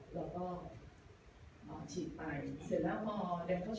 แล้วก็อ๋อฉีดไปเสร็จแล้วพอแดงเข้าฉาก